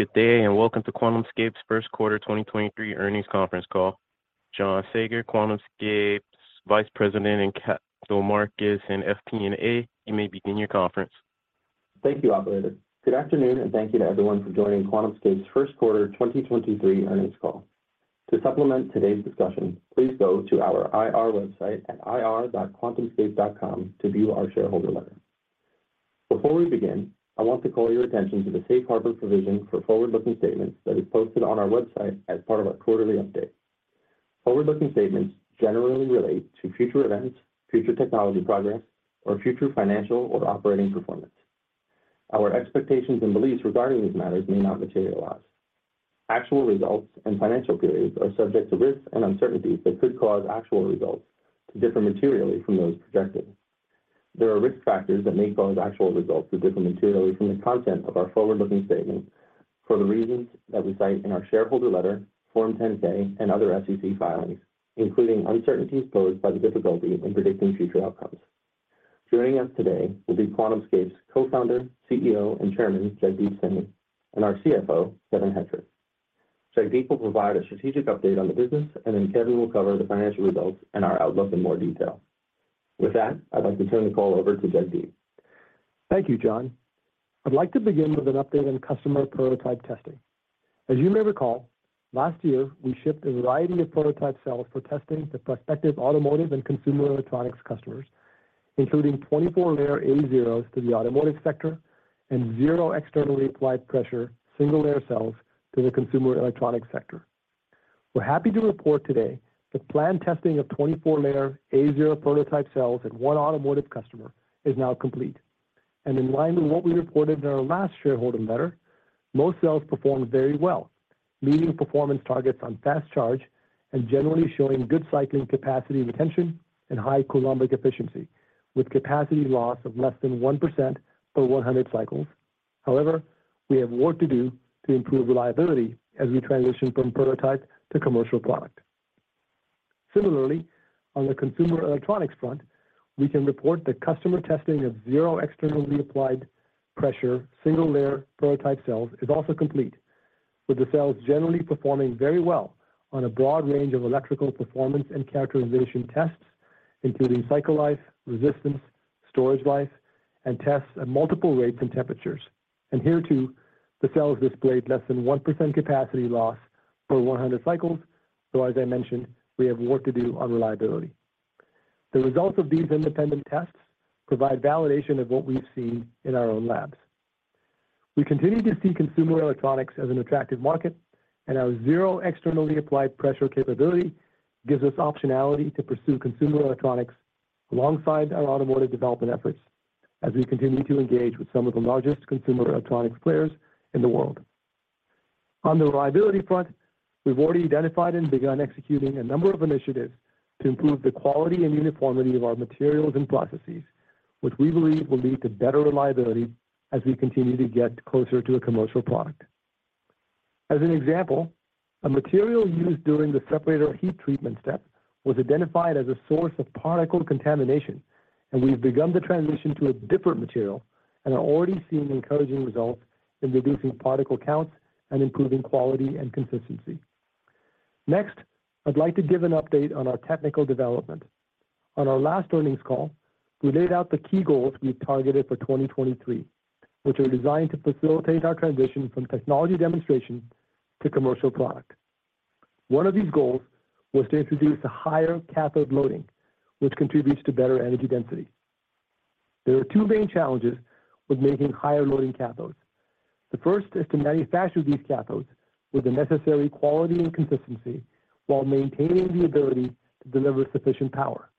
Good day, welcome to QuantumScape's First Quarter 2023 Earnings Conference Call. John Saager, QuantumScape's Vice President and Capital Markets and FP&A, you may begin your conference. Thank you, operator. Good afternoon, thank you to everyone for joining QuantumScape's First Quarter 2023 Earnings Call. To supplement today's discussion, please go to our IR website at ir.quantumscape.com to view our shareholder letter. Before we begin, I want to call your attention to the safe harbor provision for forward-looking statements that is posted on our website as part of our quarterly update. Forward-looking statements generally relate to future events, future technology progress, or future financial or operating performance. Our expectations and beliefs regarding these matters may not materialize. Actual results and financial periods are subject to risks and uncertainties that could cause actual results to differ materially from those projected. There are risk factors that may cause actual results to differ materially from the content of our forward-looking statements for the reasons that we cite in our shareholder letter, Form 10-K, and other SEC filings, including uncertainties posed by the difficulty in predicting future outcomes. Joining us today will be QuantumScape's Co-founder, CEO, and Chairman, Jagdeep Singh, and our CFO, Kevin Hettrich. Jagdeep will provide a strategic update on the business, and then Kevin will cover the financial results and our outlook in more detail. With that, I'd like to turn the call over to Jagdeep. Thank you, John. I'd like to begin with an update on customer prototype testing. As you may recall, last year, we shipped a variety of prototype cells for testing to prospective automotive and consumer electronics customers, including 24-layer A0s to the automotive sector and zero externally applied pressure single-layer cells to the consumer electronics sector. We're happy to report today that planned testing of 24-layer A0 prototype cells at one automotive customer is now complete. In line with what we reported in our last shareholder letter, most cells performed very well, meeting performance targets on fast charge and generally showing good cycling capacity retention and high Coulombic efficiency, with capacity loss of less than 1% per 100 cycles. However, we have work to do to improve reliability as we transition from prototype to commercial product. Similarly, on the consumer electronics front, we can report that customer testing of zero externally applied pressure single-layer prototype cells is also complete, with the cells generally performing very well on a broad range of electrical performance and characterization tests, including cycle life, resistance, storage life, and tests at multiple rates and temperatures. Here too, the cells displayed less than 1% capacity loss per 100 cycles, though as I mentioned, we have work to do on reliability. The results of these independent tests provide validation of what we've seen in our own labs. We continue to see consumer electronics as an attractive market, and our zero externally applied pressure capability gives us optionality to pursue consumer electronics alongside our automotive development efforts as we continue to engage with some of the largest consumer electronics players in the world. On the reliability front, we've already identified and begun executing a number of initiatives to improve the quality and uniformity of our materials and processes, which we believe will lead to better reliability as we continue to get closer to a commercial product. As an example, a material used during the separator heat treatment step was identified as a source of particle contamination, and we've begun the transition to a different material and are already seeing encouraging results in reducing particle counts and improving quality and consistency. Next, I'd like to give an update on our technical development. On our last earnings call, we laid out the key goals we had targeted for 2023, which are designed to facilitate our transition from technology demonstration to commercial product. One of these goals was to introduce a higher cathode loading, which contributes to better energy density. There are two main challenges with making higher loading cathodes. The first is to manufacture these cathodes with the necessary quality and consistency while maintaining the ability to deliver sufficient power.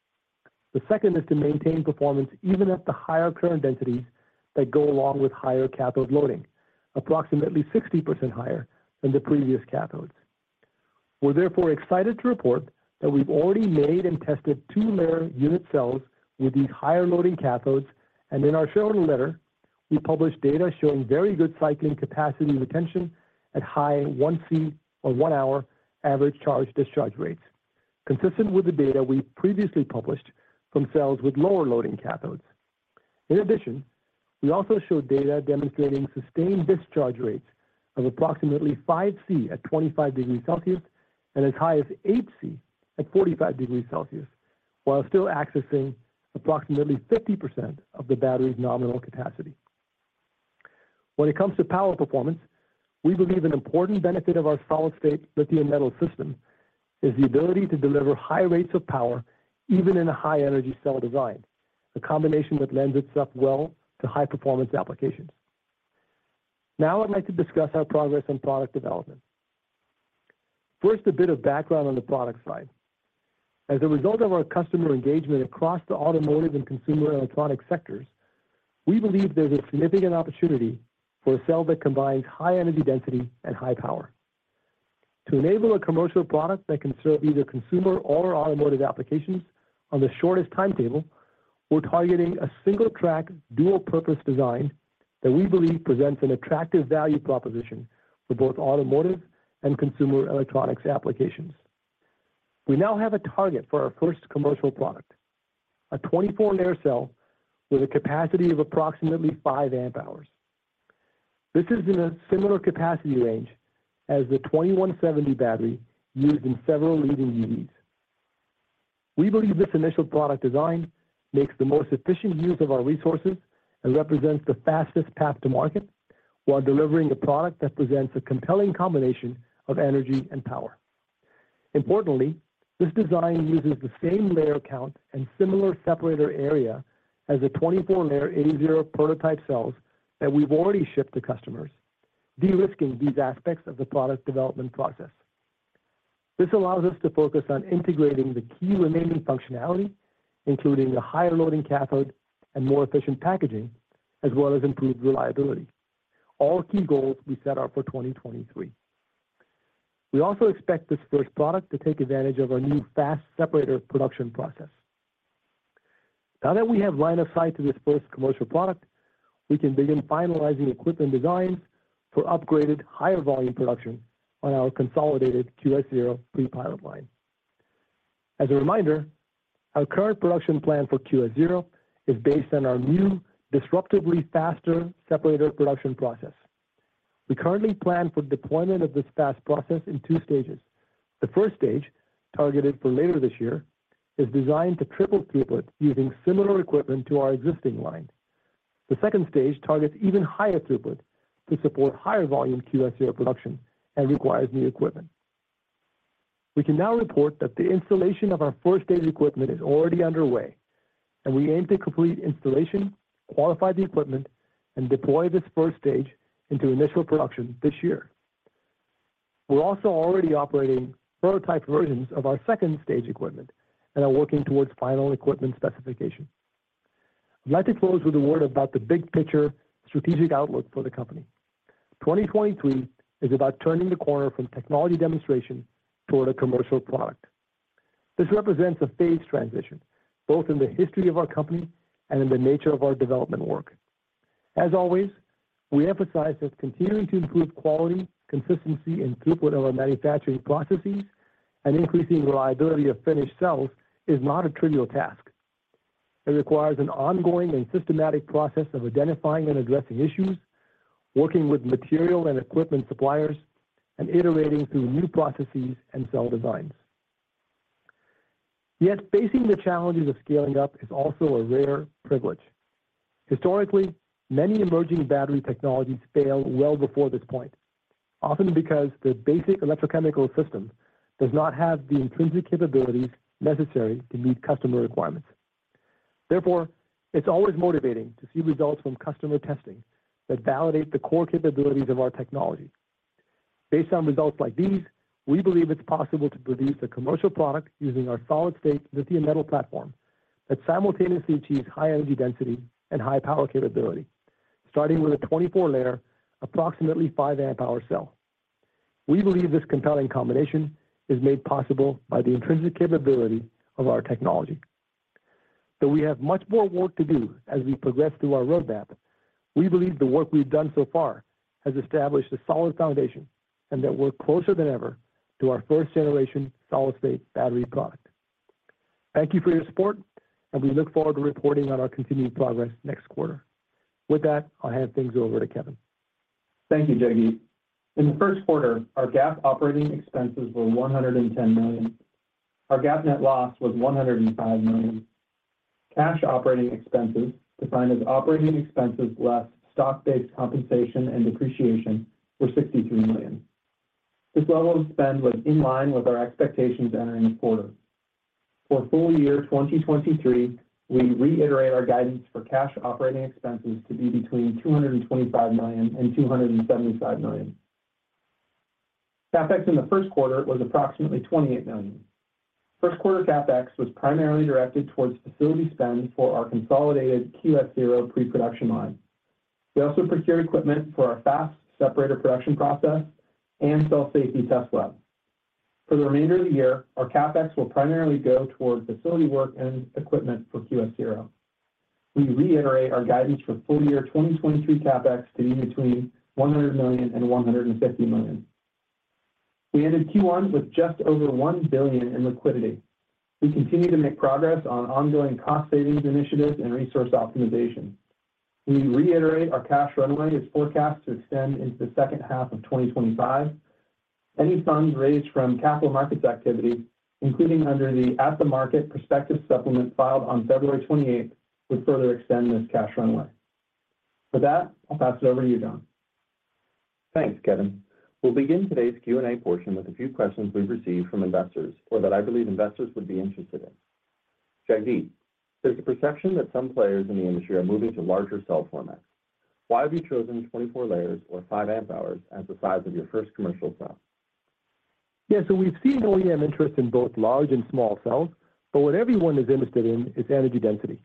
The second is to maintain performance even at the higher current densities that go along with higher cathode loading, approximately 60% higher than the previous cathodes. We're therefore excited to report that we've already made and tested two-layer unit cells with these higher loading cathodes, and in our shareholder letter, we published data showing very good cycling capacity retention at high 1C or one hour average charge discharge rates, consistent with the data we previously published from cells with lower loading cathodes. In addition, we also showed data demonstrating sustained discharge rates of approximately 5C at 25 degrees Celsius and as high as 8C at 45 degrees Celsius while still accessing approximately 50% of the battery's nominal capacity. When it comes to power performance, we believe an important benefit of our solid-state lithium-metal system is the ability to deliver high rates of power, even in a high-energy cell design, a combination that lends itself well to high-performance applications. Now I'd like to discuss our progress on product development. First, a bit of background on the product side. As a result of our customer engagement across the automotive and consumer electronic sectors, we believe there's a significant opportunity for a cell that combines high energy density and high power. To enable a commercial product that can serve either consumer or automotive applications on the shortest timetable, we're targeting a single track dual-purpose design that we believe presents an attractive value proposition for both automotive and consumer electronics applications. We now have a target for our first commercial product, a 24-layer cell with a capacity of approximately 5 amp-hours. This is in a similar capacity range as the 2170 battery used in several leading EVs. We believe this initial product design makes the most efficient use of our resources and represents the fastest path to market while delivering a product that presents a compelling combination of energy and power. Importantly, this design uses the same layer count and similar separator area as the 24-layer A0 prototype cells that we've already shipped to customers, de-risking these aspects of the product development process. This allows us to focus on integrating the key remaining functionality, including the higher loading cathode and more efficient packaging, as well as improved reliability. All key goals we set out for 2023. We also expect this first product to take advantage of our new fast separator production process. Now that we have line of sight to this first commercial product, we can begin finalizing equipment designs for upgraded higher volume production on our consolidated QS-0 pre-pilot line. As a reminder, our current production plan for QS-0 is based on our new disruptively faster separator production process. We currently plan for deployment of this fast process in two stages. The first stage, targeted for later this year, is designed to triple throughput using similar equipment to our existing line. The second stage targets even higher throughput to support higher volume QS-0 production and requires new equipment. We can now report that the installation of our first data equipment is already underway. We aim to complete installation, qualify the equipment, and deploy this first stage into initial production this year. We're also already operating prototype versions of our second stage equipment and are working towards final equipment specification. I'd like to close with a word about the big picture strategic outlook for the company. 2023 is about turning the corner from technology demonstration toward a commercial product. This represents a phase transition, both in the history of our company and in the nature of our development work. As always, we emphasize that continuing to improve quality, consistency, and throughput of our manufacturing processes and increasing reliability of finished cells is not a trivial task. It requires an ongoing and systematic process of identifying and addressing issues, working with material and equipment suppliers, and iterating through new processes and cell designs. Yet facing the challenges of scaling up is also a rare privilege. Historically, many emerging battery technologies fail well before this point, often because the basic electrochemical system does not have the intrinsic capabilities necessary to meet customer requirements. Therefore, it's always motivating to see results from customer testing that validate the core capabilities of our technology. Based on results like these, we believe it's possible to produce a commercial product using our solid-state lithium-metal platform that simultaneously achieves high energy density and high power capability, starting with a 24-layer, approximately 5 amp hour cell. We believe this compelling combination is made possible by the intrinsic capability of our technology. Though we have much more work to do as we progress through our roadmap, we believe the work we've done so far has established a solid foundation and that we're closer than ever to our first generation solid-state battery product. Thank you for your support. We look forward to reporting on our continued progress next quarter. With that, I'll hand things over to Kevin. Thank you, Jagdeep. In the first quarter, our GAAP operating expenses were $110 million. Our GAAP net loss was $105 million. Cash operating expenses, defined as operating expenses less stock-based compensation and depreciation, were $63 million. This level of spend was in line with our expectations entering the quarter. For full year 2023, we reiterate our guidance for cash operating expenses to be between $225 million and $275 million. CapEx in the first quarter was approximately $28 million. First quarter CapEx was primarily directed towards facility spend for our consolidated QS-0 pre-production line. We also procured equipment for our fast separator production process and cell safety test lab. For the remainder of the year, our CapEx will primarily go towards facility work and equipment for QS-0. We reiterate our guidance for full year 2023 CapEx to be between $100 million and $150 million. We ended Q1 with just over $1 billion in liquidity. We continue to make progress on ongoing cost savings initiatives and resource optimization. We reiterate our cash runway is forecast to extend into the second half of 2025. Any funds raised from capital markets activity, including under the at the market prospectus supplement filed on February 28th, would further extend this cash runway. With that, I'll pass it over to you, John. Thanks, Kevin. We'll begin today's Q&A portion with a few questions we've received from investors or that I believe investors would be interested in. Jagdeep, there's a perception that some players in the industry are moving to larger cell formats. Why have you chosen 24 layers or 5 amp hours as the size of your first commercial cell? Yeah. We've seen OEM interest in both large and small cells, but what everyone is interested in is energy density.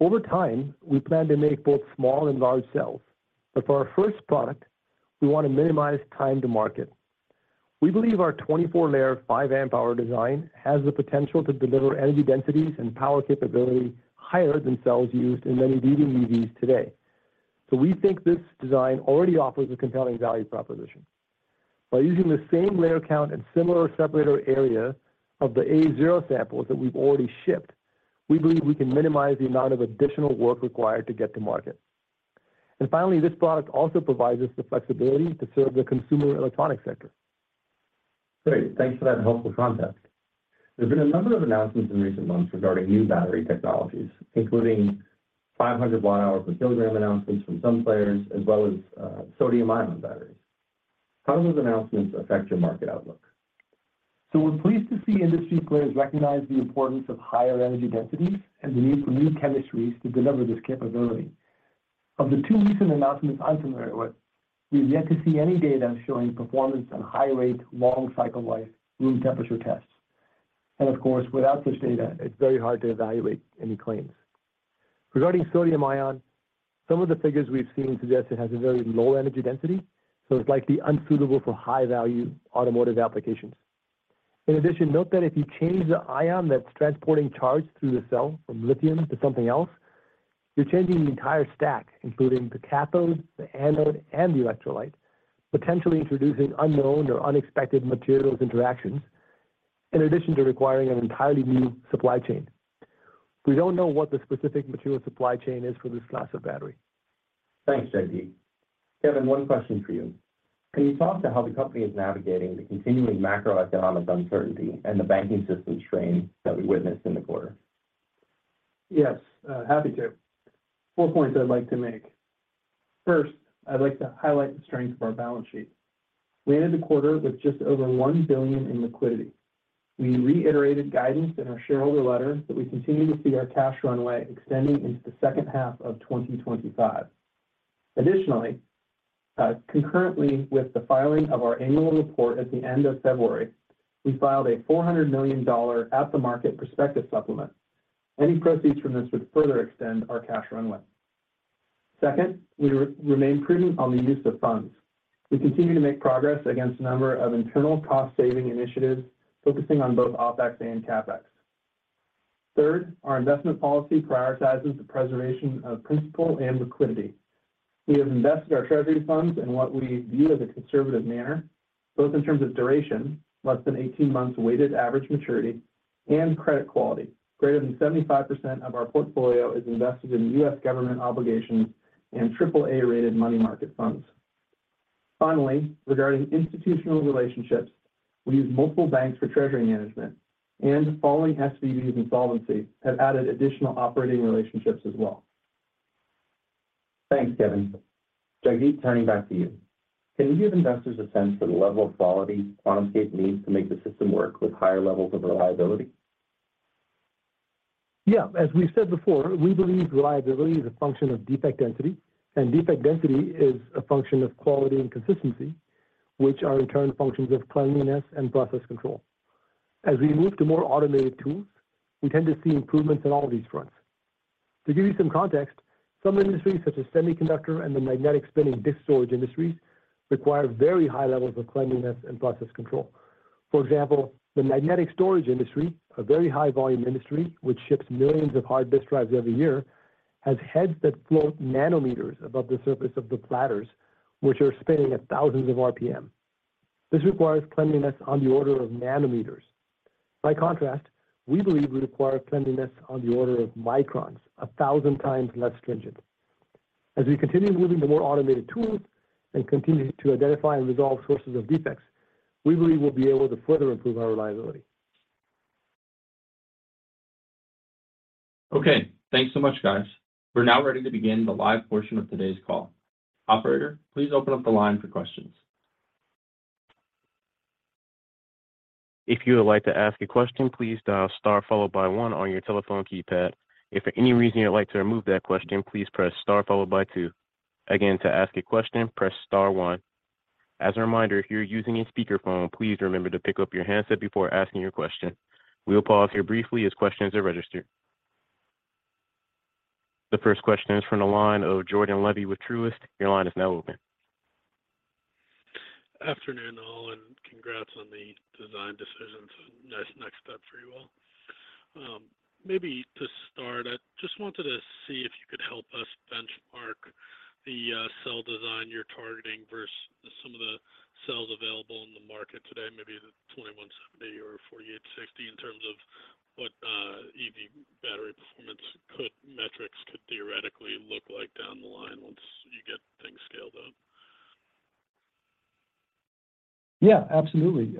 Over time, we plan to make both small and large cells. For our first product, we want to minimize time to market. We believe our 24 layer 5 amp hour design has the potential to deliver energy densities and power capability higher than cells used in many leading EVs today. So we think this design already offers a compelling value proposition. By using the same layer count and similar separator area of the A0 samples that we've already shipped, we believe we can minimize the amount of additional work required to get to market. Finally, this product also provides us the flexibility to serve the consumer electronics sector. Great. Thanks for that helpful context. There's been a number of announcements in recent months regarding new battery technologies, including 500 watt-hours per kilogram announcements from some players, as well as, sodium-ion batteries. How do those announcements affect your market outlook? We're pleased to see industry players recognize the importance of higher energy density and the need for new chemistries to deliver this capability. Of the two recent announcements I'm familiar with, we've yet to see any data showing performance at high rate, long cycle life, room temperature tests. Of course, without such data, it's very hard to evaluate any claims. Regarding sodium-ion, some of the figures we've seen suggest it has a very low energy density, so it's likely unsuitable for high-value automotive applications. In addition, note that if you change the ion that's transporting charge through the cell from lithium to something else, you're changing the entire stack, including the cathode, the anode, and the electrolyte, potentially introducing unknown or unexpected materials interactions, in addition to requiring an entirely new supply chain. We don't know what the specific material supply chain is for this class of battery. Thanks, Jagdeep. Kevin, one question for you. Can you talk to how the company is navigating the continuing macroeconomic uncertainty and the banking system strain that we witnessed in the quarter? Yes, happy to. Four points I'd like to make. First, I'd like to highlight the strength of our balance sheet. We ended the quarter with just over $1 billion in liquidity. We reiterated guidance in our shareholder letter that we continue to see our cash runway extending into the second half of 2025. Additionally, concurrently with the filing of our annual report at the end of February, we filed a $400 million at the market prospectus supplement. Any proceeds from this would further extend our cash runway. Second, we remain prudent on the use of funds. We continue to make progress against a number of internal cost-saving initiatives, focusing on both OpEx and CapEx. Third, our investment policy prioritizes the preservation of principal and liquidity. We have invested our treasury funds in what we view as a conservative manner, both in terms of duration, less than 18 months weighted average maturity, and credit quality. Greater than 75% of our portfolio is invested in U.S. government obligations and AAA-rated money market funds. Regarding institutional relationships, we use multiple banks for treasury management, and following SVB's insolvency, have added additional operating relationships as well. Thanks, Kevin. Jagdeep, turning back to you. Can you give investors a sense for the level of quality QuantumScape needs to make the system work with higher levels of reliability? Yeah. As we said before, we believe reliability is a function of defect density, and defect density is a function of quality and consistency, which are in turn functions of cleanliness and process control. As we move to more automated tools, we tend to see improvements on all of these fronts. To give you some context, some industries, such as semiconductor and the magnetic spinning disk storage industries, require very high levels of cleanliness and process control. For example, the magnetic storage industry, a very high volume industry which ships millions of hard disk drives every year, has heads that float nanometers above the surface of the platters, which are spinning at thousands of RPM. This requires cleanliness on the order of nanometers. By contrast, we believe we require cleanliness on the order of microns, 1,000 times less stringent. As we continue moving to more automated tools and continue to identify and resolve sources of defects, we believe we'll be able to further improve our reliability. Okay. Thanks so much, guys. We're now ready to begin the live portion of today's call. Operator, please open up the line for questions. If you would like to ask a question, please dial star followed by one on your telephone keypad. If for any reason you'd like to remove that question, please press star followed by two. Again, to ask a question, press star one. As a reminder, if you're using a speaker phone, please remember to pick up your handset before asking your question. We'll pause here briefly as questions are registered. The first question is from the line of Jordan Levy with Truist. Your line is now open. Afternoon, all. Congrats on the design decisions. Nice next step for you all. Maybe to start, I just wanted to see if you could help us benchmark the cell design you're targeting versus some of the cells available in the market today, maybe the 2170 or 4680, in terms of what EV battery performance metrics could theoretically look like down the line once you get things scaled up. Absolutely.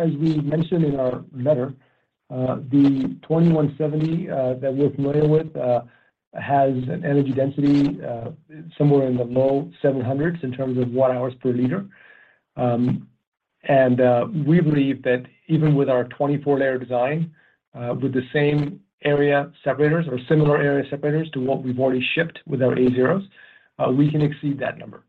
As we mentioned in our letter, the 2170 that we're familiar with has an energy density somewhere in the low 700s in terms of watt-hours per liter. We believe that even with our 24-layer design, with the same area separators or similar area separators to what we've already shipped with our A0s, we can exceed that number.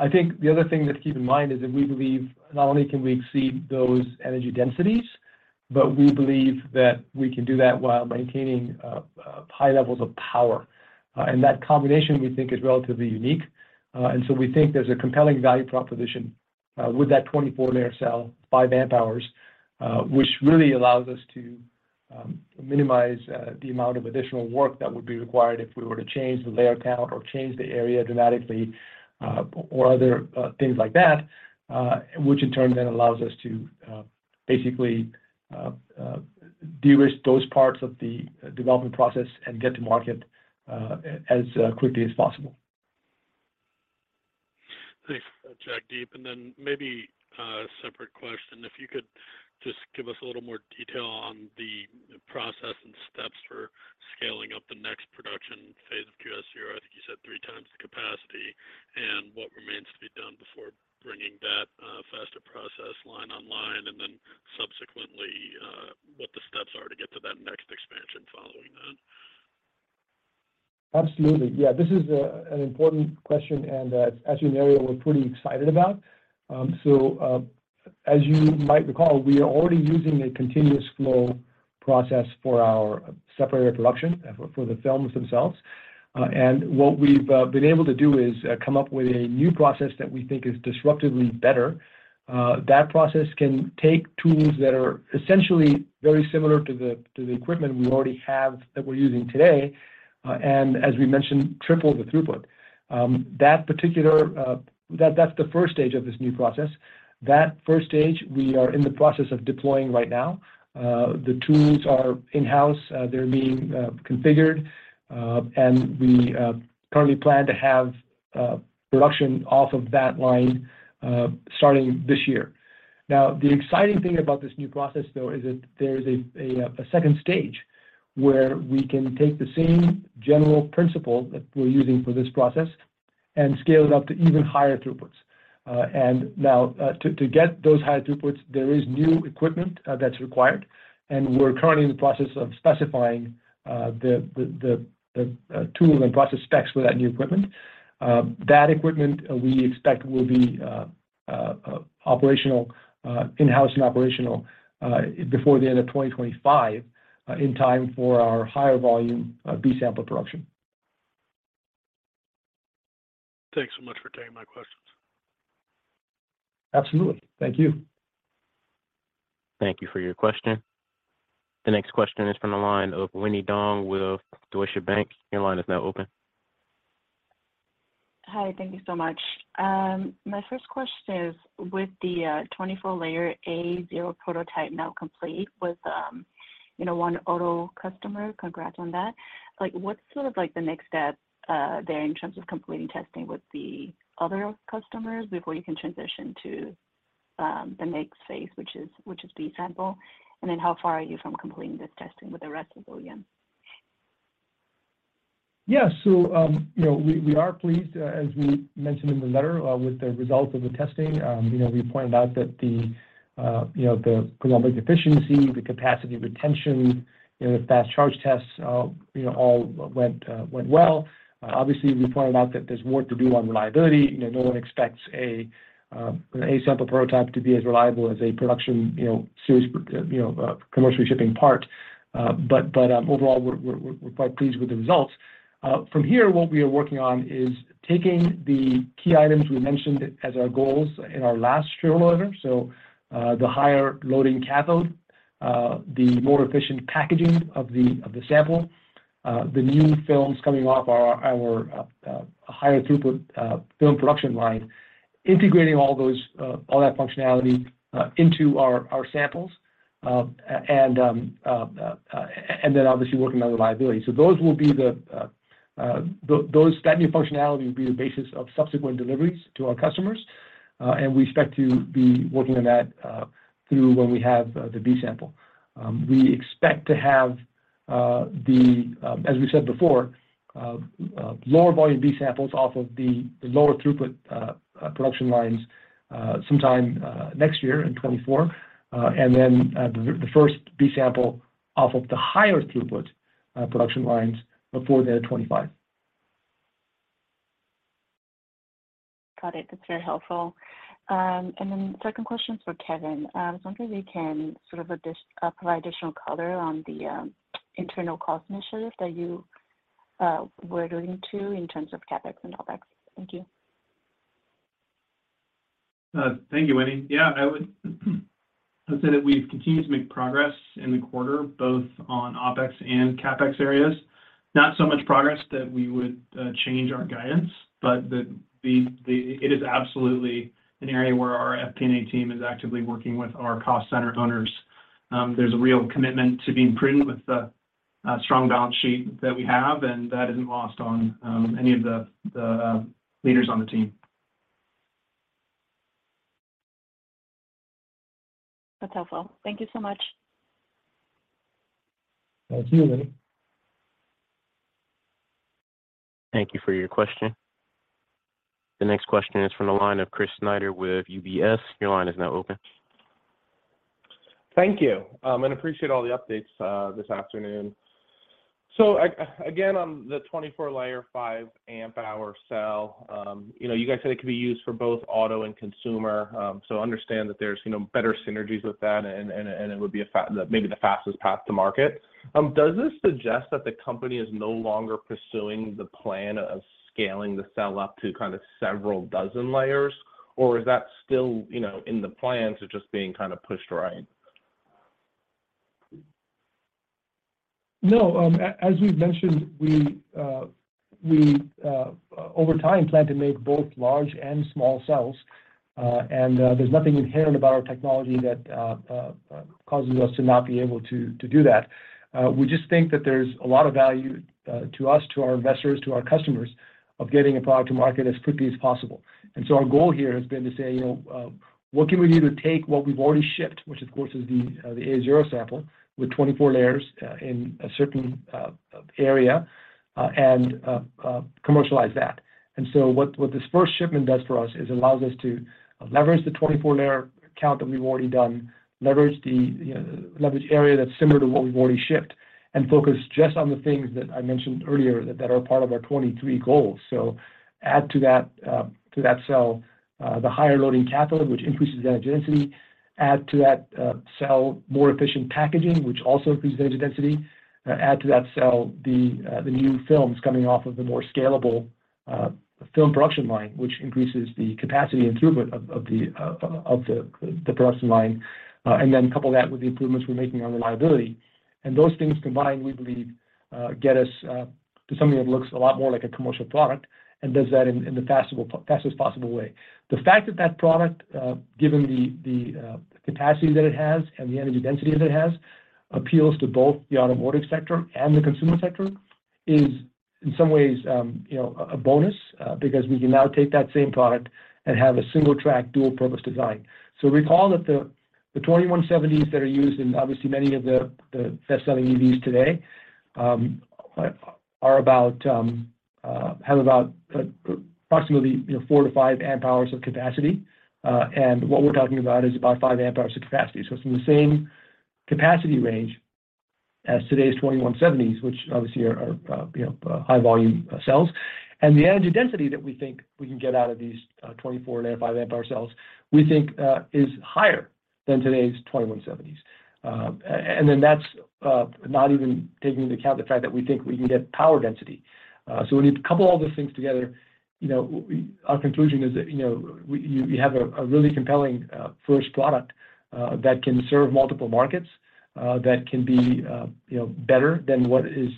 I think the other thing that to keep in mind is that we believe not only can we exceed those energy densities, but we believe that we can do that while maintaining high levels of power. That combination we think is relatively unique. We think there's a compelling value proposition with that 24-layer cell, 5 amp-hours, which really allows us to Minimize the amount of additional work that would be required if we were to change the layer count or change the area dramatically, or other things like that, which in turn then allows us to basically de-risk those parts of the development process and get to market as quickly as possible. Thanks, Jagdeep. Maybe a separate question, if you could just give us a little more detail on the process and steps for scaling up the next production phase of QS-0. I think you said three times the capacity, and what remains to be done before bringing that faster process line online, and then subsequently, what the steps are to get to that next expansion following that? Absolutely. Yeah. This is an important question, and it's actually an area we're pretty excited about. So, as you might recall, we are already using a continuous flow process for our separator production for the films themselves. What we've been able to do is come up with a new process that we think is disruptively better. That process can take tools that are essentially very similar to the equipment we already have that we're using today, and as we mentioned, triple the throughput. That particular, that's the first stage of this new process. That first stage we are in the process of deploying right now. The tools are in-house, they're being configured, and we currently plan to have production off of that line starting this year. The exciting thing about this new process, though, is that there's a second stage where we can take the same general principle that we're using for this process and scale it up to even higher throughputs. To get those higher throughputs, there is new equipment that's required, and we're currently in the process of specifying the tool and process specs for that new equipment. That equipment we expect will be operational in-house and operational before the end of 2025, in time for our higher volume B sample production. Thanks so much for taking my questions. Absolutely. Thank you. Thank you for your question. The next question is from the line of Winnie Dong with Deutsche Bank. Your line is now open. Hi. Thank you so much. My first question is, with the 24-layer A0 prototype now complete with, you know, one auto customer, Congrats on that. What's sort of like the next step there in terms of completing testing with the other customers before you can transition to the next phase, which is B sample? How far are you from completing this testing with the rest of OEM? Yeah. You know, we are pleased, as we mentioned in the letter, with the results of the testing. You know, we pointed out that the, you know, the Coulombic efficiency, the capacity retention, you know, the fast charge tests, you know, all went well. Obviously, we pointed out that there's more to do on reliability. You know, no one expects an A sample prototype to be as reliable as a production, you know, serious, you know, commercially shipping part. But overall we're quite pleased with the results. From here, what we are working on is taking the key items we mentioned as our goals in our last shareholder letter, so, the higher loading cathode, the more efficient packaging of the sample, the new films coming off our higher throughput film production line, integrating all those, all that functionality into our samples. Then obviously working on the reliability. That new functionality will be the basis of subsequent deliveries to our customers, and we expect to be working on that through when we have the B sample. We expect to have the as we said before, lower volume B samples off of the lower throughput production lines sometime next year in 2024. The first B sample off of the higher throughput production lines before the end of 2025. Got it. That's very helpful. Second question is for Kevin. I was wondering if you can sort of add this, provide additional color on the internal cost initiative that you were alluding to in terms of CapEx and OpEx. Thank you. Thank you, Winnie. I would say that we've continued to make progress in the quarter, both on OpEx and CapEx areas. Not so much progress that we would change our guidance, but it is absolutely an area where our FP&A team is actively working with our cost center owners. There's a real commitment to being prudent with the strong balance sheet that we have, and that isn't lost on any of the leaders on the team. That's helpful. Thank you so much. Thank you, Winnie. Thank you for your question. The next question is from the line of Chris Snyder with UBS. Your line is now open. Thank you. Appreciate all the updates this afternoon. Again, on the 24-layer 5 amp-hour cell, you know, you guys said it could be used for both auto and consumer. Understand that there's, you know, better synergies with that and it would be maybe the fastest path to market. Does this suggest that the company is no longer pursuing the plan of scaling the cell up to kind of several dozen layers? Or is that still, you know, in the plans or just being kind of pushed right? No. As we've mentioned, we over time plan to make both large and small cells. There's nothing inherent about our technology that causes us to not be able to do that. We just think that there's a lot of value to us, to our investors, to our customers, of getting a product to market as quickly as possible. Our goal here has been to say, you know, what can we do to take what we've already shipped, which of course is the A0 sample with 24 layers in a certain area, and commercialize that. What this first shipment does for us is allows us to leverage the 24-layer count that we've already done, leverage the, you know, leverage area that's similar to what we've already shipped, and focus just on the things that I mentioned earlier that are part of our 23 goals. Add to that, to that cell, the higher loading cathode, which increases the energy density. Add to that cell more efficient packaging, which also increases energy density. Add to that cell the new films coming off of the more scalable film production line, which increases the capacity and throughput of the production line. And then couple that with the improvements we're making on reliability. Those things combined, we believe, get us, to something that looks a lot more like a commercial product and does that in the fastest possible way. The fact that that product, given the capacity that it has and the energy density that it has, appeals to both the automotive sector and the consumer sector is in some ways, you know, a bonus, because we can now take that same product and have a single track dual-purpose design. Recall that the 2170s that are used in obviously many of the best-selling EVs today, are about, have about approximately 4-5 amp hours of capacity. What we're talking about is about 5 amp hours of capacity. It's in the same capacity range as today's 2170s, which obviously are, you know, high volume, cells. The energy density that we think we can get out of these 24 and 5 amp-hour cells, we think is higher than today's 2170s. And then that's not even taking into account the fact that we think we can get power density. When you couple all these things together, you know, our conclusion is that, you know, you have a really compelling first product that can serve multiple markets that can be, you know, better than what is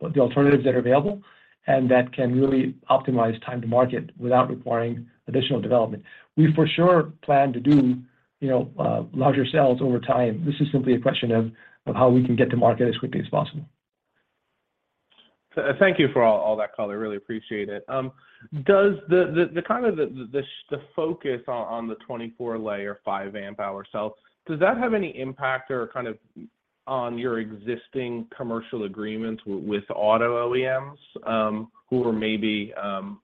the alternatives that are available, and that can really optimize time to market without requiring additional development. We for sure plan to do, you know, larger cells over time. This is simply a question of how we can get to market as quickly as possible. Thank you for all that, Khalid. I really appreciate it. Does the kind of the focus on the 24-layer 5 amp hour cell, does that have any impact or kind of on your existing commercial agreements with auto OEMs, who are maybe,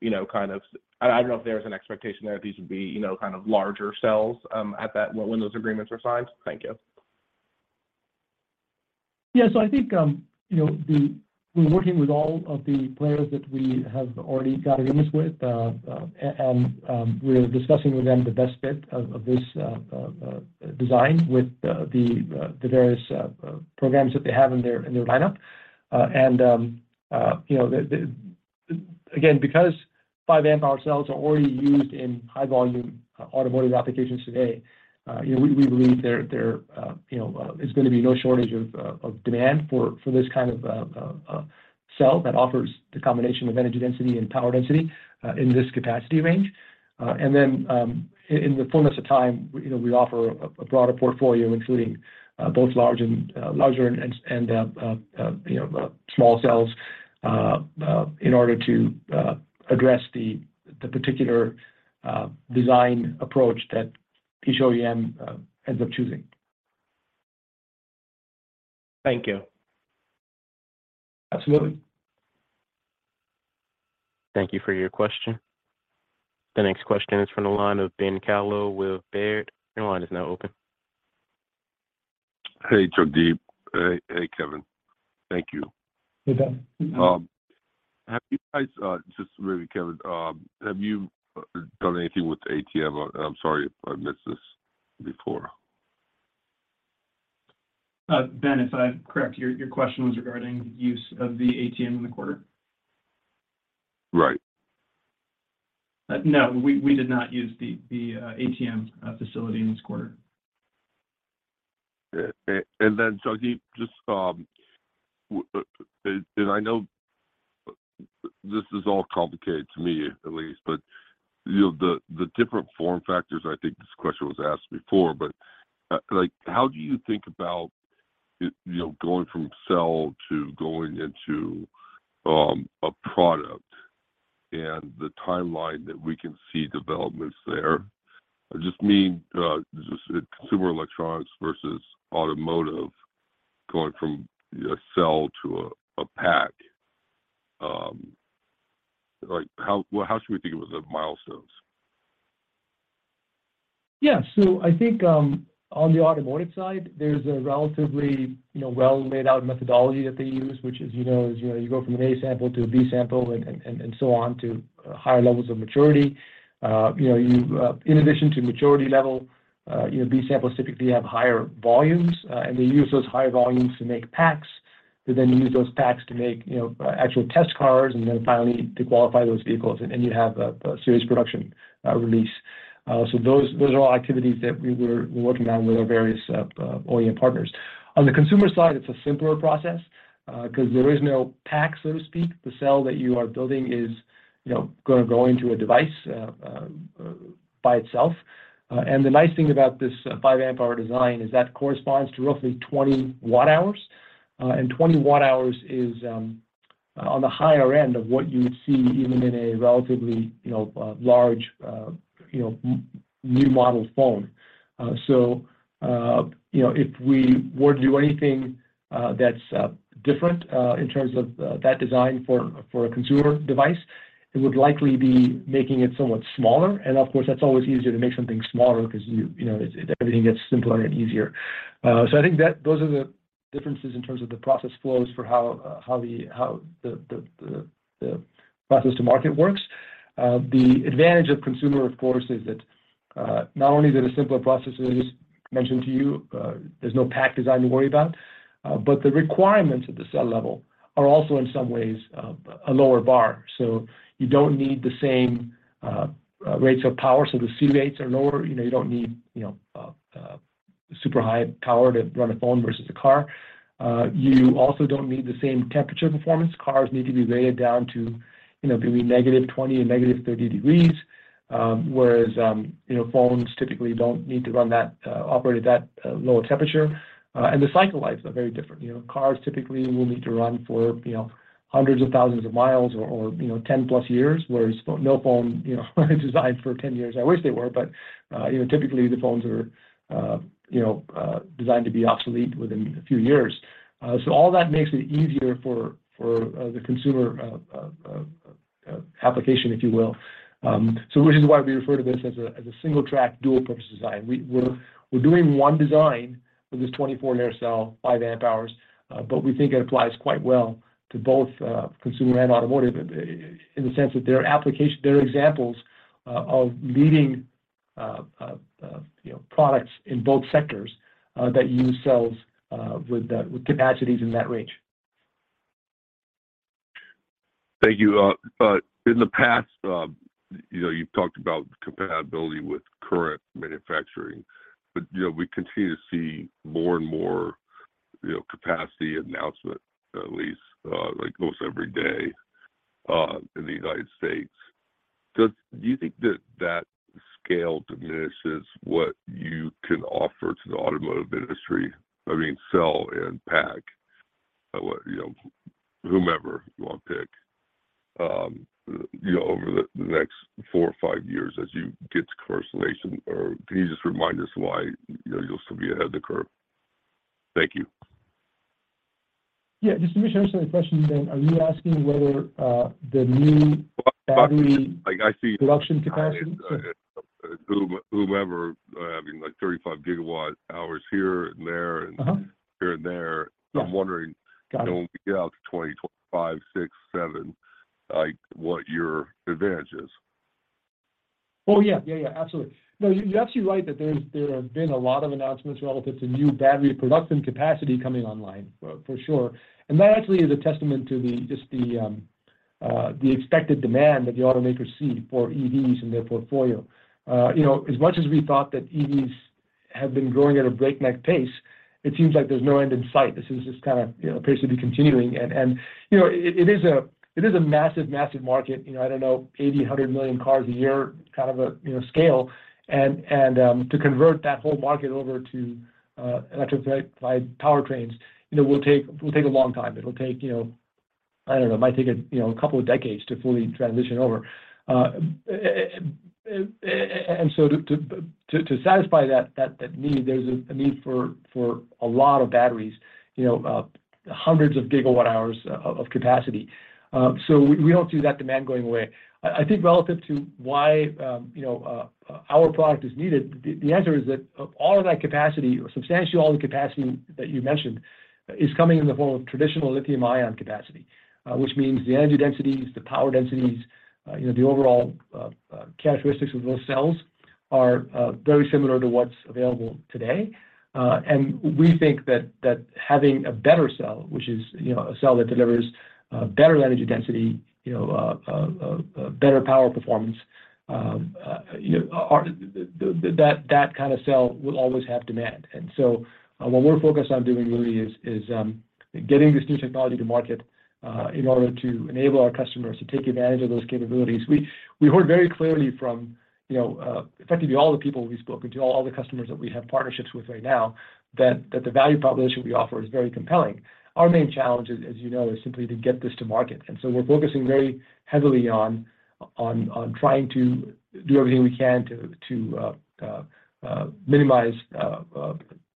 you know, kind of... I don't know if there's an expectation there that these would be, you know, kind of larger cells, at that when those agreements were signed? Thank you. Yeah. I think, you know, we're working with all of the players that we have already got agreements with. We're discussing with them the best fit of this design with the various programs that they have in their lineup. Again, because 5 amp hour cells are already used in high volume automotive applications today, you know, we believe there, you know, is gonna be no shortage of demand for this kind of cell that offers the combination of energy density and power density in this capacity range. In the fullness of time, you know, we offer a broader portfolio, including both large and larger and, you know, small cells, in order to address the particular design approach that each OEM ends up choosing. Thank you. Absolutely. Thank you for your question. The next question is from the line of Ben Kallo with Baird. Your line is now open. Hey, Jagdeep. Hey, hey, Kevin. Thank you. Hey, Ben. Have you guys, just maybe Kevin, have you done anything with ATM? I'm sorry if I missed this before. Ben, if I'm correct, your question was regarding use of the ATM in the quarter? Right. No, we did not use the ATM facility in this quarter. Jagdeep, just, I know this is all complicated to me at least, you know, different form factors, I think this question was asked before, like how do you think about, you know, going from cell to going into a product and the timeline that we can see developments there? I just mean just consumer electronics versus automotive going from a cell to a pack. Like how should we think about the milestones? Yeah. I think, on the automotive side, there's a relatively, you know, well laid out methodology that they use, which is, you know, you go from an A sample to a B sample and so on to higher levels of maturity. You know, you, in addition to maturity level, you know, B samples typically have higher volumes, and they use those higher volumes to make packs. To then use those packs to make, you know, actual test cars, and then finally to qualify those vehicles, and you'd have a series production, release. Those are all activities that we were working on with our various OEM partners. On the consumer side, it's a simpler process, 'cause there is no pack, so to speak. The cell that you are building is, you know, gonna go into a device by itself. The nice thing about this 5 amp hour design is that corresponds to roughly 20 watt-hours. 20 watt-hours is on the higher end of what you would see even in a relatively, you know, large, you know, new model phone. If we were to do anything that's different in terms of that design for a consumer device, it would likely be making it somewhat smaller. Of course, that's always easier to make something smaller 'cause you know, it, everything gets simpler and easier. I think that those are the differences in terms of the process flows for how the process to market works. The advantage of consumer, of course, is that not only is it a simpler process, as I just mentioned to you, there's no pack design to worry about, but the requirements at the cell level are also, in some ways, a lower bar. You don't need the same rates of power, so the C-rates are lower. You know, you don't need, you know, super high power to run a phone versus a car. You also don't need the same temperature performance. Cars need to be rated down to, you know, between -20 and -30 degrees, whereas, you know, phones typically don't need to run that, operate at that, low temperature. The cycle lives are very different. You know, cars typically will need to run for, you know, hundreds of thousands of miles or, you know, 10+ years, whereas no phone, you know, are designed for 10 years. I wish they were, but, you know, typically the phones are, you know, designed to be obsolete within a few years. All that makes it easier for, the consumer, application, if you will, so which is why we refer to this as a, as a single track dual purpose design. We're doing one design with this 24-layer cell, 5 amp hours, but we think it applies quite well to both, consumer and automotive in the sense that their application, their examples, of leading, you know, products in both sectors, that use cells, with capacities in that range. Thank you. In the past, you know, you've talked about compatibility with current manufacturing, you know, we continue to see more and more, you know, capacity announcement, at least, like, most every day in the United States. Do you think that that scale diminishes what you can offer to the automotive industry, I mean, cell and pack, you know, whomever you wanna pick, you know, over the next four or five years as you get to commercialization? Can you just remind us why, you know, you'll still be ahead of the curve? Thank you. Yeah. Just to make sure I understand the question then, are you asking whether the new? Like I see- production capacity? Whomever, I mean, like 35 GWh here and there...here and there. Yeah. I'm wondering- Got it.... you know, get out to 2025, 2026, 2027, like what your advantage is. Oh, yeah. Yeah, yeah, absolutely. No, you're absolutely right that there have been a lot of announcements relative to new battery production capacity coming online, for sure. That actually is a testament to just the expected demand that the automakers see for EVs in their portfolio. You know, as much as we thought that EVs have been growing at a breakneck pace, it seems like there's no end in sight. This is just kind of, you know, appears to be continuing. You know, it is a massive market. You know, I don't know, 80, 100 million cars a year kind of a, you know, scale. To convert that whole market over to electrified powertrains, you know, will take a long time. It'll take, you know, I don't know, it might take a, you know, a couple of decades to fully transition over. To satisfy that need, there's a need for a lot of batteries, you know, hundreds of gigawatt hours of capacity. We don't see that demand going away. I think relative to why, you know, our product is needed, the answer is that all of that capacity or substantially all the capacity that you mentioned is coming in the form of traditional lithium ion capacity. Which means the energy densities, the power densities, you know, the overall characteristics of those cells are very similar to what's available today. We think that having a better cell, which is, you know, a cell that delivers better energy density, you know, better power performance, you know, That kind of cell will always have demand. What we're focused on doing really is getting this new technology to market in order to enable our customers to take advantage of those capabilities. We heard very clearly from, you know, effectively all the people we've spoken to, all the customers that we have partnerships with right now, that the value proposition we offer is very compelling. Our main challenge, as you know, is simply to get this to market. We're focusing very heavily on trying to do everything we can to minimize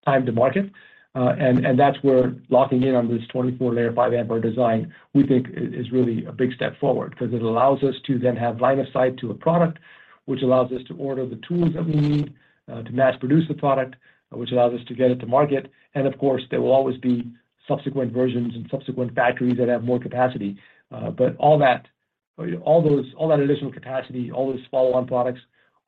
time to market. That's where locking in on this 24-layer 5 amp-hour design we think is really a big step forward, 'cause it allows us to then have line of sight to a product, which allows us to order the tools that we need to mass produce the product, which allows us to get it to market. Of course, there will always be subsequent versions and subsequent factories that have more capacity. All those, all that additional capacity, all those follow-on products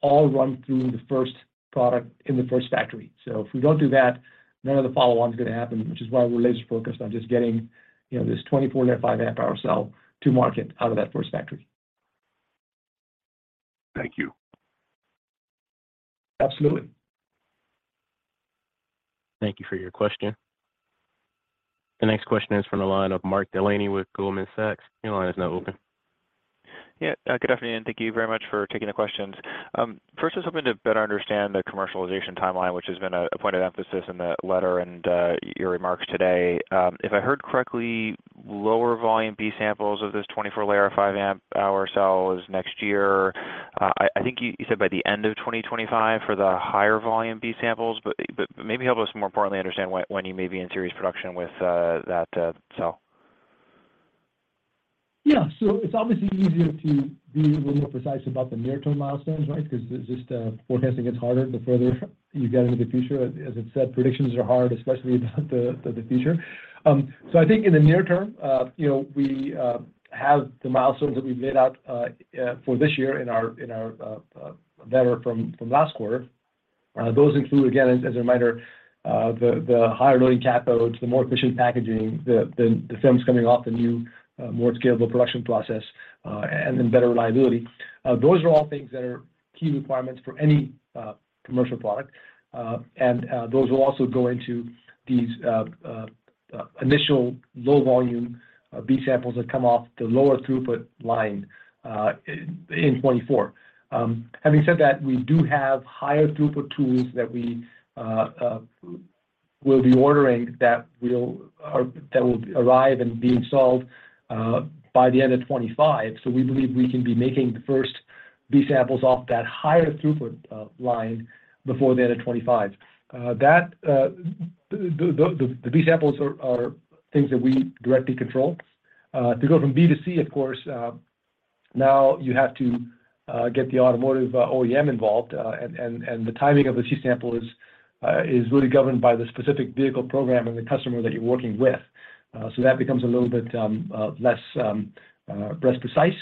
all run through the first product in the first factory. If we don't do that, none of the follow-on is gonna happen, which is why we're laser-focused on just getting, you know, this 24 net 5 amp hour cell to market out of that first factory. Thank you. Absolutely. Thank you for your question. The next question is from the line of Mark Delaney with Goldman Sachs. Your line is now open. Yeah. Good afternoon, thank you very much for taking the questions. First, I was hoping to better understand the commercialization timeline, which has been a point of emphasis in that letter, your remarks today. If I heard correctly, lower volume B samples of this 24-layer 5 amp-hour cell is next year. I think you said by the end of 2025 for the higher volume B samples, but maybe help us more importantly understand when you may be in serious production with that cell. Yeah. It's obviously easier to be a little more precise about the near-term milestones, right? 'Cause just forecasting gets harder the further you get into the future. As I said, predictions are hard, especially about the future. I think in the near term, you know, we have the milestones that we've laid out for this year in our letter from last quarter. Those include, again, as a reminder, the higher loading cathodes, the more efficient packaging, the films coming off the new, more scalable production process, and then better reliability. Those are all things that are key requirements for any commercial product. Those will also go into these initial low volume B samples that come off the lower throughput line in 2024. Having said that, we do have higher throughput tools that we will be ordering that will arrive and be installed by the end of 2025. We believe we can be making the first B samples off that higher throughput line before the end of 2025. The B samples are things that we directly control. To go from B to C, of course, now you have to get the automotive OEM involved. The timing of the C sample is really governed by the specific vehicle program and the customer that you're working with. That becomes a little bit less precise.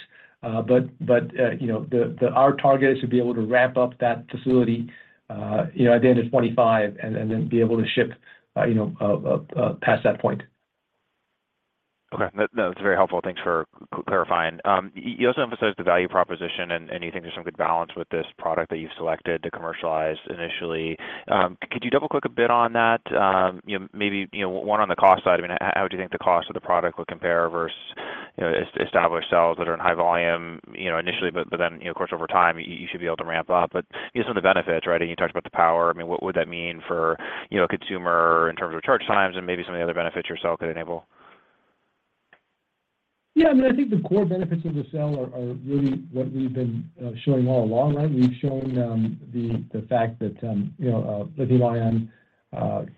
You know, our target is to be able to ramp up that facility, you know, at the end of 25 and then be able to ship, you know, past that point. Okay. That's very helpful. Thanks for clarifying. You also emphasized the value proposition and you think there's some good balance with this product that you've selected to commercialize initially. Could you double-click a bit on that? You know, maybe, you know, one on the cost side, I mean, how do you think the cost of the product will compare versus, you know, established cells that are in high volume, you know, initially, but then, you know, of course, over time, you should be able to ramp up. You know, some of the benefits, right? You talked about the power. I mean, what would that mean for, you know, consumer in terms of charge times and maybe some of the other benefits your cell could enable? Yeah. I mean, I think the core benefits of the cell are really what we've been showing all along, right? We've shown the fact that, you know, lithium-ion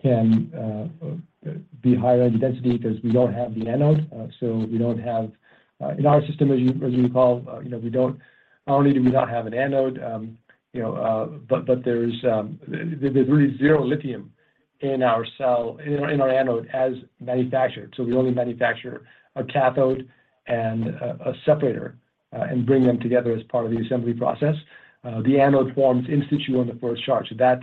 can be higher energy density because we don't have the anode. In our system, as you recall, you know, not only do we not have an anode, you know, but there's really zero lithium in our cell, in our anode as manufactured. We only manufacture a cathode and a separator, and bring them together as part of the assembly process. The anode forms in situ on the first charge. That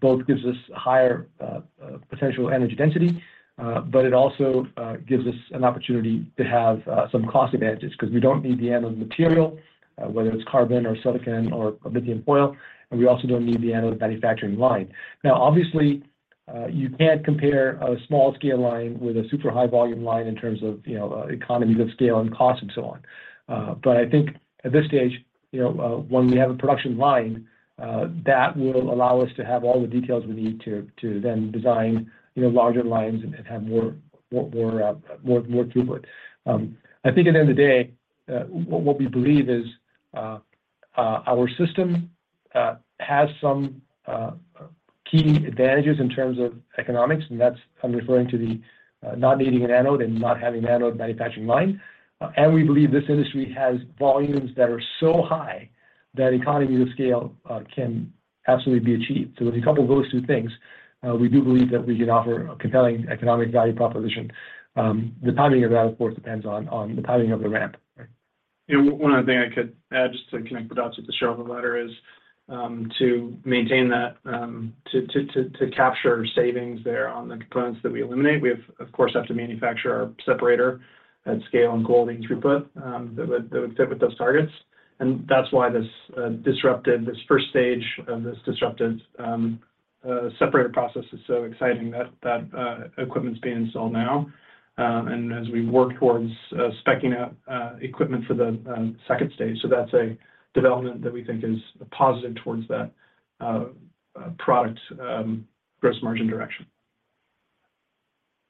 both gives us higher potential energy density, but it also gives us an opportunity to have some cost advantages because we don't need the anode material, whether it's carbon or silicon or lithium foil, and we also don't need the anode manufacturing line. Obviously, you can't compare a small scale line with a super high volume line in terms of, you know, economies of scale and cost and so on. I think at this stage, you know, when we have a production line, that will allow us to have all the details we need to then design, you know, larger lines and have more throughput. I think at the end of the day, what we believe is, our system has some key advantages in terms of economics, and that's. I'm referring to the not needing an anode and not having an anode manufacturing line. We believe this industry has volumes that are so high that economies of scale can absolutely be achieved. If you couple those two things, we do believe that we can offer a compelling economic value proposition. The timing of that, of course, depends on the timing of the ramp. You know, one other thing I could add just to connect the dots with the shareholder letter is, to maintain that, to capture savings there on the components that we eliminate, we of course have to manufacture our separator at scale and goaling throughput, that would fit with those targets. That's why this disruptive, this first stage of this disruptive separator process is so exciting. That equipment's being installed now, and as we work towards spec-ing out equipment for the second stage. That's a development that we think is positive towards that product gross margin direction.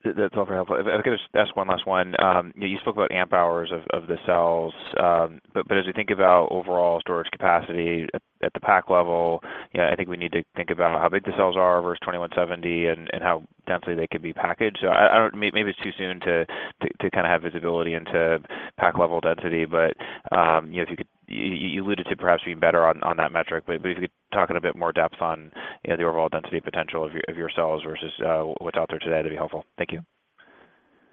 That's all very helpful. If I could just ask one last one. You spoke about amp hours of the cells. But as we think about overall storage capacity at the pack level, you know, I think we need to think about how big the cells are versus 2170 and how densely they could be packaged. Maybe it's too soon to kinda have visibility into pack level density, but, you know, if you could, you alluded to perhaps being better on that metric, but if you could talk in a bit more depth on, you know, the overall density potential of your cells versus what's out there today, that'd be helpful. Thank you.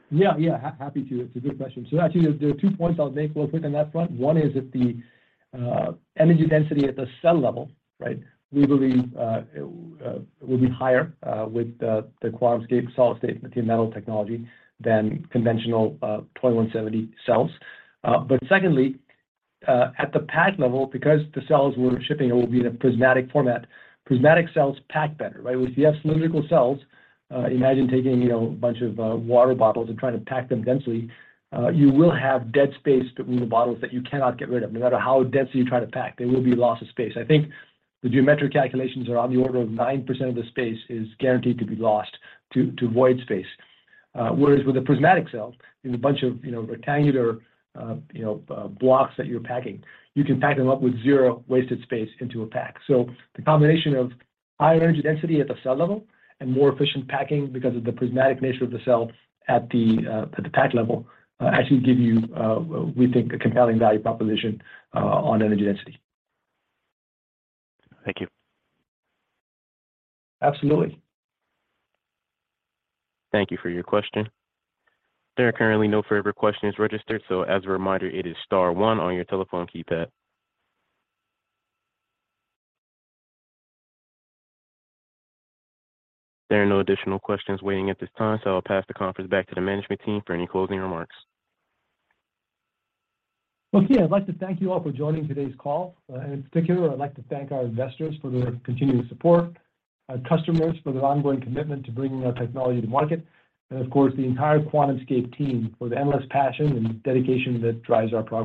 Yeah. Yeah. Happy to. It's a good question. Actually, there are two points I'll make real quick on that front. One is that the energy density at the cell level, right, we believe will be higher with the QuantumScape solid-state lithium-metal technology than conventional 2170 cells. Secondly, at the pack level, because the cells we're shipping will be in a prismatic format, prismatic cells pack better, right? If you have cylindrical cells, imagine taking, you know, a bunch of water bottles and trying to pack them densely, you will have dead space between the bottles that you cannot get rid of. No matter how densely you try to pack, there will be loss of space. I think the geometric calculations are on the order of 9% of the space is guaranteed to be lost to void space. Whereas with the prismatic cells, in a bunch of, you know, rectangular, you know, blocks that you're packing, you can pack them up with zero wasted space into a pack. The combination of high energy density at the cell level and more efficient packing because of the prismatic nature of the cell at the pack level, actually give you, we think a compelling value proposition on energy density. Thank you. Absolutely. Thank you for your question. There are currently no further questions registered, so as a reminder, it is star one on your telephone keypad. There are no additional questions waiting at this time, so I'll pass the conference back to the management team for any closing remarks. Well, again, I'd like to thank you all for joining today's call. In particular, I'd like to thank our investors for their continued support, our customers for their ongoing commitment to bringing our technology to market, and of course, the entire QuantumScape team for the endless passion and dedication that drives our progress.